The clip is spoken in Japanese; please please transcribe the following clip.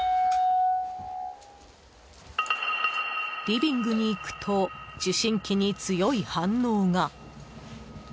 リビングに行くと受信機に強い反応が。